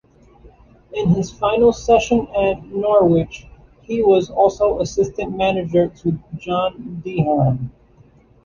In his final season at Norwich, he was also assistant manager to John Deehan.